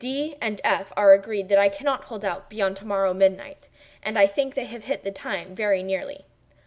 D—— and F—— are agreed that I cannot hold out beyond to morrow midnight; and I think they have hit the time very nearly.